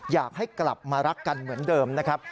อยากให้กลับมารักกันเหมือนเดิมนะครับ